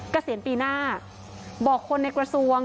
เกษียณปีหน้าบอกคนในกระทรวง